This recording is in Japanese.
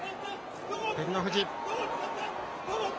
照ノ富士。